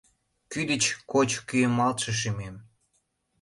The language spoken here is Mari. Кӱ деч коч кӱэмалтше шӱмем.